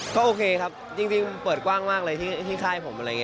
ก็โอเคครับจริงเปิดกว้างมากเลยที่ค่ายผม